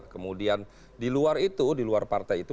kemudian di luar itu di luar partai itu